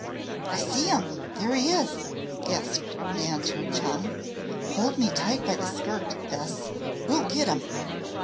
"I see him! There he is!" gasped Nan to her chum. "Hold me tight by the skirt, Bess! We'll get him!"